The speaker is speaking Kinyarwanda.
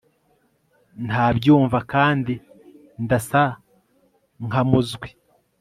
Ntabyumva kandi ndasa nkamuzwi